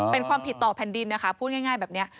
เป็นความผิดต่อแผ่นดินนะคะพูดง่ายแบบนี้